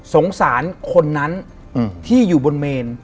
สงสารคนนั้นที่อยู่บนเมน